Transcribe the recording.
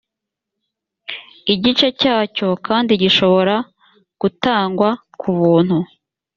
igice cyacyo kandi gishobora gutangwa kubuntu